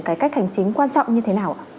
cái cách hành chính quan trọng như thế nào ạ